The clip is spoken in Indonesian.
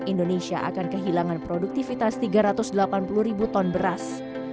indonesia akan kehilangan produktivitas tiga ratus delapan puluh ribu ton beras